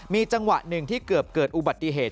มีจังหวะหนึ่งที่เกือบเกิดอุบัติเหตุ